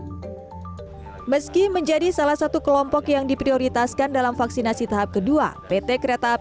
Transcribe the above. tidak perlu lagi melakukan pendaftaran karena pendaftaran ini sudah di dalam daftar masih bisa menunjukkan nomor induk kependudukan